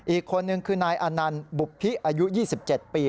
อีกคนนึงคือนายอนันต์บุภิอายุ๒๗ปี